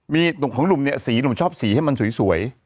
มีหนุ่มของหนุ่มเนี่ยสีหนุ่มชอบสีให้มันสวย